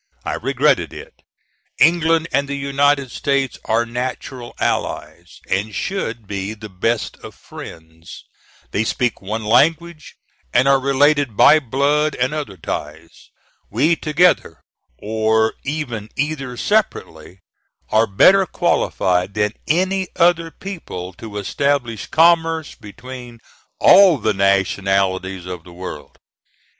I regretted it. England and the United States are natural allies, and should be the best of friends. They speak one language, and are related by blood and other ties. We together, or even either separately, are better qualified than any other people to establish commerce between all the nationalities of the world.